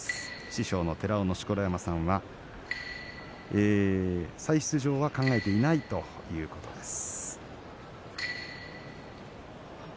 師匠の錣山さんが再出場は考えていないということです。